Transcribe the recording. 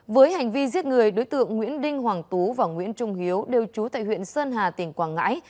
với hành vi giết người đối tượng nguyễn đinh hoàng tú và nguyễn trung hiếu đều trú tại huyện sơn hà tỉnh quảng ngãi